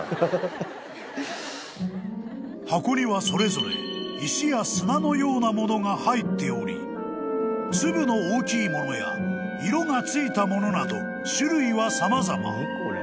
［箱にはそれぞれ石や砂のようなものが入っており粒の大きいものや色が付いたものなど種類は様々］